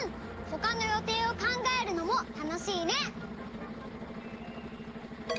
ほかの予定を考えるのもたのしいね！